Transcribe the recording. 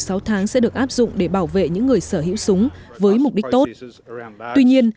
sáng sẽ được áp dụng để bảo vệ những người sở hữu súng với mục đích tốt tuy nhiên